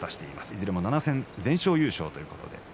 いずれも７戦全勝優勝ということです。